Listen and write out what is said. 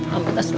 ambil tas dulu